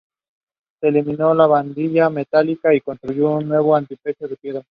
Se eliminó la barandilla metálica y se construyó un nuevo antepecho de piedra.